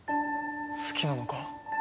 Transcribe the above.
好きなのか？